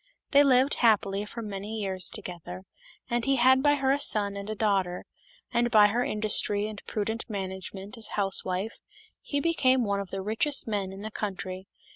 They lived happy for many years together, and he had by her a son and a daughter ; and by her industry and prudent management as a housewife he became one of the richest men in the country.